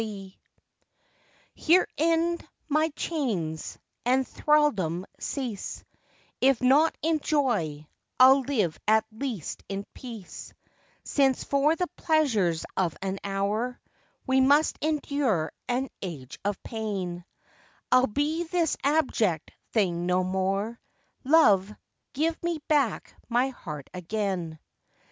Here end my chains, and thraldom cease, If not in joy, I'll live at least in peace; Since for the pleasures of an hour, We must endure an age of pain; I'll be this abject thing no more, Love, give me back my heart again.